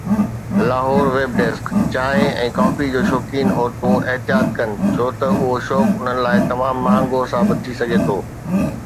Lahore (web desk) چانهه ۽ coffee جو شوقين عورتون احتياط ڪن ڇو ته اهو شوق انهن لاءِ تمام مهانگو ثابت ٿي سگهي ٿو